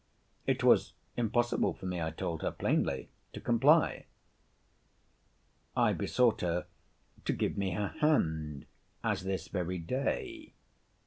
It was impossible for me, I told her plainly, to comply. I besought her to give me her hand as this very day.